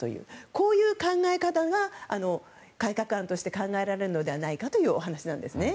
こういう考え方が改革案として考えられるのではないかというお話なんですね。